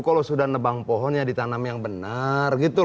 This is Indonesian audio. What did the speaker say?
kalau sudah nebang pohonnya ditanam yang benar gitu